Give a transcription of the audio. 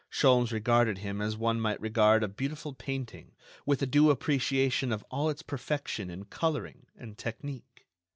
Sholmes regarded him as one might regard a beautiful painting with a due appreciation of all its perfection in coloring and technique.